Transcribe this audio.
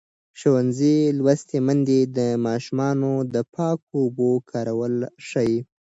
ښوونځې لوستې میندې د ماشومانو د پاکو اوبو کارول ښيي.